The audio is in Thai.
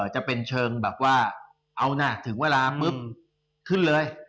จะเป็นเชิงแบบว่าเอานะถึงเวลาปุ๊บขึ้นเลย